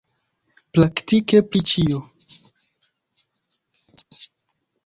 Praktike pri ĉio.